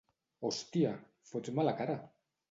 Hòstia, fots mala cara!